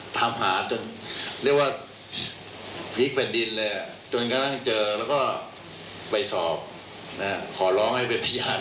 ตามหาจนเรียกว่าพลิกแผ่นดินเลยจนกระทั่งเจอแล้วก็ไปสอบขอร้องให้เป็นพยาน